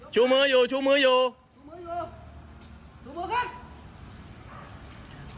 ชูมืออยู่ชูมืออยู่ชูมืออยู่ชูมือครับ